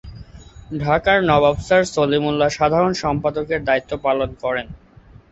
ঢাকার নবাব স্যার সলিমুল্লাহ সাধারণ সম্পাদকের দায়িত্ব পালন করেন।